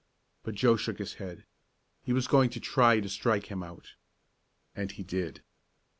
But Joe shook his head. He was going to try to strike him out. And he did.